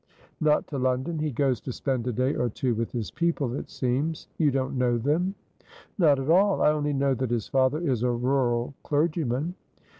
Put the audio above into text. "Not to London. He goes to spend a day or two with his people, it seems. You don't know them?" "Not at all. I only know that his father is a rural clergyman."